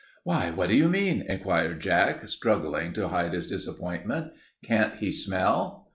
"Why, what do you mean?" inquired Jack, struggling to hide his disappointment. "Can't he smell?"